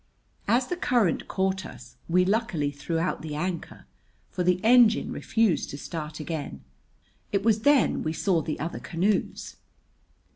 As the current caught us, we luckily threw out the anchor, for the engine refused to start again. It was then we saw the other canoes.